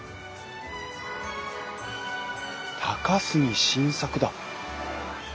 高杉晋作だ！